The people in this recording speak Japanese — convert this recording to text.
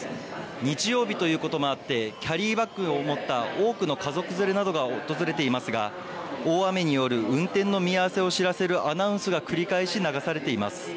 日曜日ということもあってキャリーバッグを持った多くの家族連れなどが訪れていますが大雨による運転の見合わせを知らせるアナウンスが繰り返し流されています。